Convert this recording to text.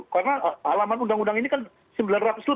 karena alamat undang undang ini kan sembilan ratus lebih